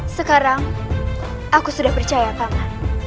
sekarang aku sudah percaya sama